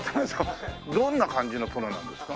どんな感じのプロなんですか？